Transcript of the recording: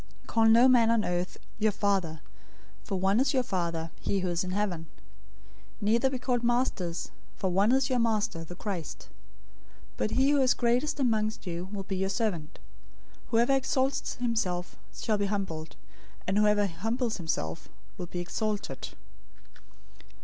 023:009 Call no man on the earth your father, for one is your Father, he who is in heaven. 023:010 Neither be called masters, for one is your master, the Christ. 023:011 But he who is greatest among you will be your servant. 023:012 Whoever exalts himself will be humbled, and whoever humbles himself will be exalted.